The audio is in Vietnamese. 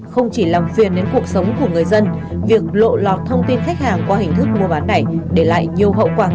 không chỉ làm phiền đến cuộc sống của người dân việc lộ lọt thông tin khách hàng qua hình thức mua bán này để lại nhiều hậu quả